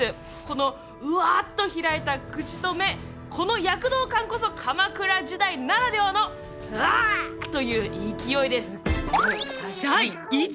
このウワァ！と開いた口と目この躍動感こそ鎌倉時代ならではのウワァ！という勢いです